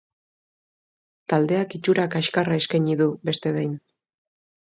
Taldeak itxura kaskarra eskaini du beste behin.